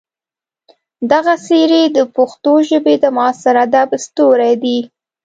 دغه څېرې د پښتو ژبې د معاصر ادب ستوري دي.